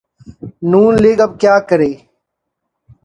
ن لیگ اب کیا کرے؟